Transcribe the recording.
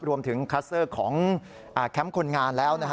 รวมถึงคลัสเตอร์ของแคมป์คนงานแล้ว